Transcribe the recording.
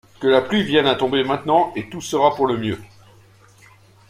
Que la pluie vienne à tomber maintenant, et tout sera pour le mieux.